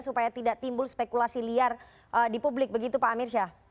supaya tidak timbul spekulasi liar di publik begitu pak amir syah